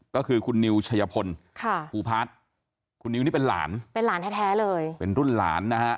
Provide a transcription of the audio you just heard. ก็คือคุณนิวชัยพลค่ะภูพาร์ทคุณนิวนี่เป็นหลานเป็นหลานแท้เลยเป็นรุ่นหลานนะฮะ